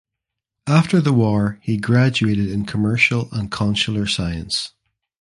After the war he graduated in commercial and consular science.